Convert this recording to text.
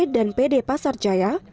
dan pd pasar jaya